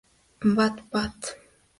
Vat., Vat.